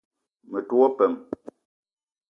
Me te wo peum.